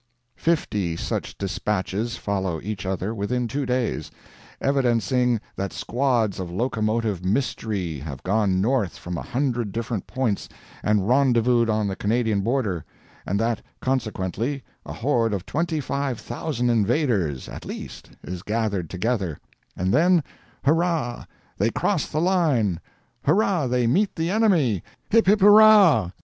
Fifty such despatches follow each other within two days, evidencing that squads of locomotive mystery have gone north from a hundred different points and rendezvoused on the Canadian border—and that, consequently, a horde of 25,000 invaders, at least, is gathered together; and then, hurrah! they cross the line; hurrah! they meet the enemy; hip, hip, hurrah!